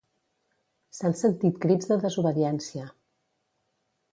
S'han sentit crits de desobediència.